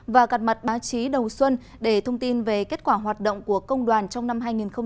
và gặt mặt báo chí đầu xuân để thông tin về kết quả hoạt động của công đoàn trong năm hai nghìn một mươi chín